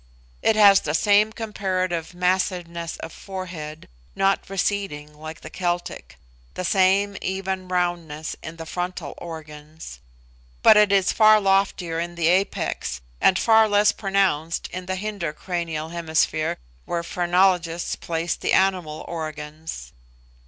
It has the same comparative massiveness of forehead, not receding like the Celtic the same even roundness in the frontal organs; but it is far loftier in the apex, and far less pronounced in the hinder cranial hemisphere where phrenologists place the animal organs.